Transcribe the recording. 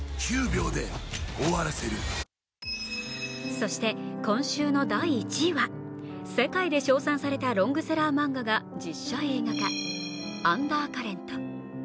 そして、今週の第１位は世界で称賛されたロングセラー漫画が実写映画化「アンダーカレント」。